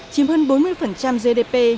chìm hơn bốn mươi gdp